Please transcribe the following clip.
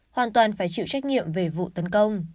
hoàn toàn phải chịu trách nhiệm về vụ tấn công